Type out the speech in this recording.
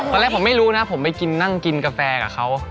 แรกผมไม่รู้นะผมไปกินนั่งกินกาแฟกับเขา